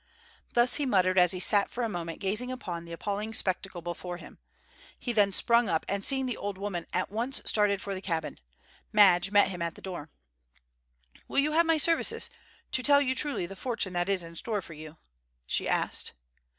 Thus he muttered as he sat for a moment gazing upon the appalling spectacle before him. He then sprung up, and seeing the old woman, at once started for the cabin. Madge met him at the door. "Will you have my services, to tell you truly the fortune that is in store for you?" she asked.